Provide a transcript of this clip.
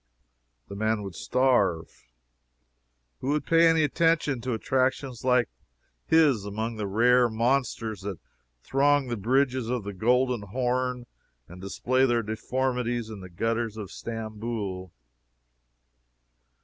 The man would starve. Who would pay any attention to attractions like his among the rare monsters that throng the bridges of the Golden Horn and display their deformities in the gutters of Stamboul?